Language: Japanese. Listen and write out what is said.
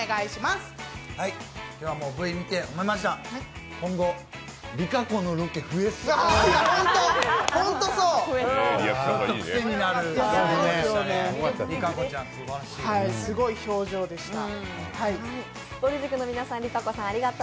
すごい表情でした。